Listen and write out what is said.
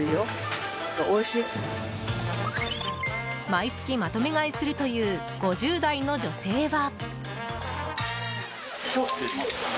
毎月まとめ買いするという５０代の女性は。